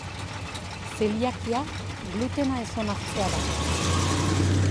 Zeliakia glutena ez onartzea da.